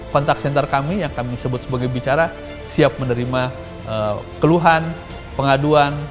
kontak senter kami yang kami sebut sebagai bicara siap menerima keluhan pengaduan